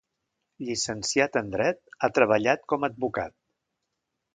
Llicenciat en dret, ha treballat com a advocat.